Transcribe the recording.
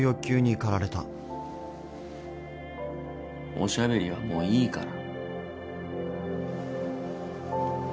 おしゃべりはもういいから。